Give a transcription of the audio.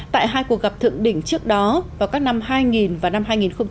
tại hai cuộc gặp thượng đỉnh trước đó vào các năm hai nghìn và năm hai nghìn bảy